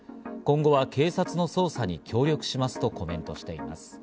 今後は警察の捜査に協力しますとコメントしています。